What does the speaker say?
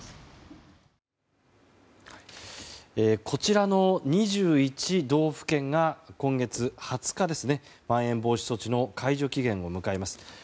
こちらの２１道府県が今月２０日にまん延防止措置の解除期限を迎えます。